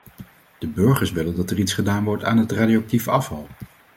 De burgers willen dat er iets gedaan wordt aan het radioactieve afval.